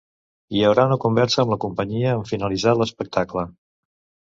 Hi haurà una conversa amb la companyia en finalitzar l'espectacle.